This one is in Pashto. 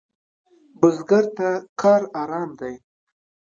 بزګر ته کار آرام دی